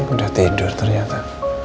udah tidur ternyata